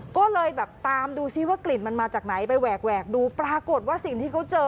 ก็เลยแบบตามดูซิว่ากลิ่นมันมาจากไหนไปแหวกแหวกดูปรากฏว่าสิ่งที่เขาเจอ